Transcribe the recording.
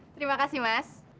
terima kasih mas